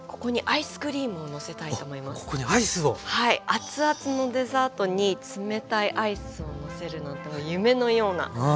熱々のデザートに冷たいアイスをのせるのって夢のようなはい。